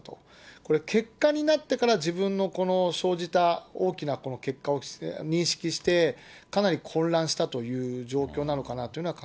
これ、結果になってから、自分のこの、生じた大きな結果を認識して、かなり混乱したという状況なのかな